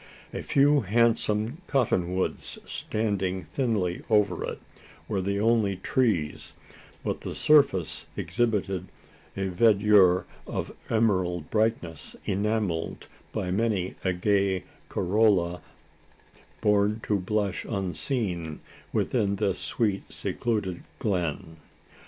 A few handsome cotton woods, standing thinly over it, were the only trees; but the surface exhibited a verdure of emerald brightness enamelled by many a gay corolla born to blush unseen within this sweet secluded glen.